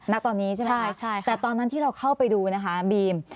ณตอนนี้ใช่ไหมแต่ตอนนั้นที่เราเข้าไปดูนะคะบีม